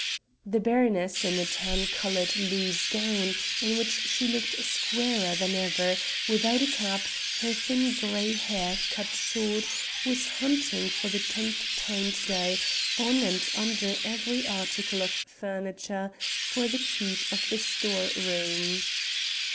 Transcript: The baroness, in a tan colored loose gown, in which she looked squarer than ever, without a cap, her thin grey hair cut short, was hunting for the tenth time to day, on and under every article of furniture, for the key of the storeroom.